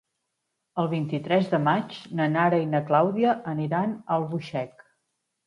El vint-i-tres de maig na Nara i na Clàudia aniran a Albuixec.